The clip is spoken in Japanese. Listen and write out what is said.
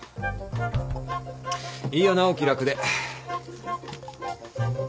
いいよなお気楽で。